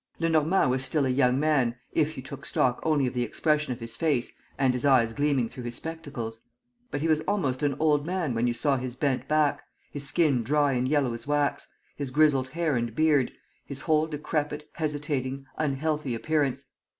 M. Lenormand was still a young man, if you took stock only of the expression of his face and his eyes gleaming through his spectacles; but he was almost an old man when you saw his bent back, his skin dry and yellow as wax, his grizzled hair and beard, his whole decrepit, hesitating, unhealthy appearance.